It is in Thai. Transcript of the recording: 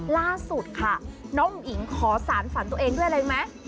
ล่าสุดค่ะน้องอิ๋งขอสารฝันตัวเองด้วยอะไรรู้ไหม